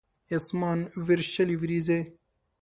اسمان وریشلې وریځې